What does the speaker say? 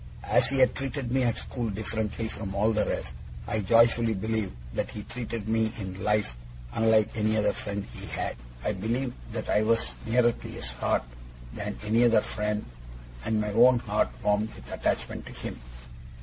As he had treated me at school differently from all the rest, I joyfully believed that he treated me in life unlike any other friend he had. I believed that I was nearer to his heart than any other friend, and my own heart warmed with attachment to him.